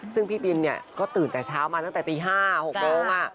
ซึ่งพี่บินก็ตื่นแต่เช้ามาตั้งแต่ตี๕๖โมง